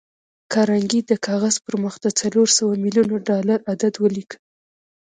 کارنګي د کاغذ پر مخ د څلور سوه ميليونه ډالر عدد وليکه.